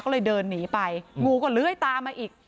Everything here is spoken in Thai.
ก็เลยเดินหนีไปงูก็เลื้อยตามมาอีก